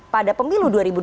pada pemilu dua ribu dua puluh